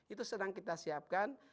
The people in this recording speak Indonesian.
itu sedang kita siapkan